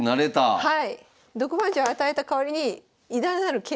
はい。